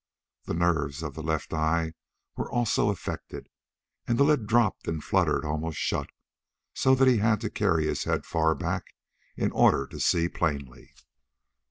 The nerves of the left eye were also affected, and the lid dropped and fluttered almost shut, so that he had to carry his head far back in order to see plainly.